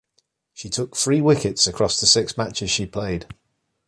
She took three wickets across the six matches she played.